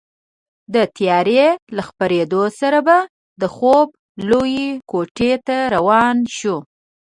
د تیارې له خپرېدو سره به د خوب لویې کوټې ته روان شوو.